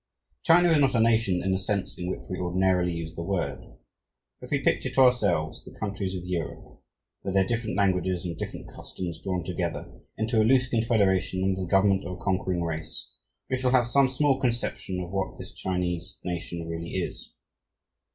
China is not a nation in the sense in which we ordinarily use the word. If we picture to ourselves the countries of Europe, with their different languages and different customs drawn together into a loose confederation under the government of a conquering race, we shall have some small conception of what this Chinese "nation" really is.